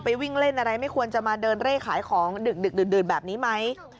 วิ่งเล่นอะไรไม่ควรจะมาเดินเร่ขายของดึกดื่นแบบนี้ไหม